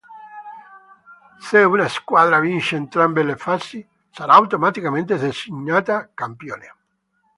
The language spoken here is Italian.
Se una squadra vince entrambe le fasi, sarà automaticamente designata campione.